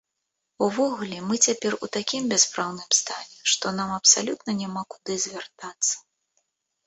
Увогуле мы цяпер у такім бяспраўным стане, што нам абсалютна няма куды звяртацца.